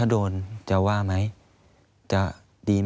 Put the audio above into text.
อันดับ๖๓๕จัดใช้วิจิตร